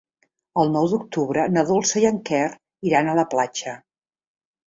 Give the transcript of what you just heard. El nou d'octubre na Dolça i en Quer iran a la platja.